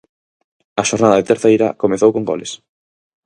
A xornada de Terceira comezou con goles.